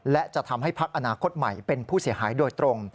และจะทำให้พักอนาคตใหม่เป็นผู้เสียหายโดยตรง